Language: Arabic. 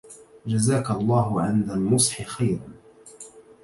جزاك الله عن ذا النصح خيرا